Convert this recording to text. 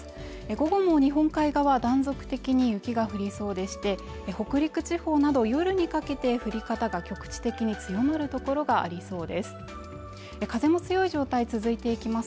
午後も日本海側断続的に雪が降りそうでして北陸地方など夜にかけて降り方が局地的に強まる所がありそうです